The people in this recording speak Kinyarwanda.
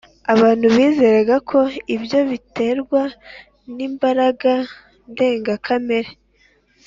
abantu bizeraga ko ibyo biterwa n’imbaraga ndengakamere